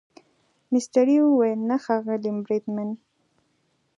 مستري وویل نه ښاغلی بریدمن.